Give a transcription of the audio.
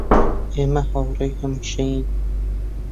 ئێمە هاوڕێی هەمیشەیین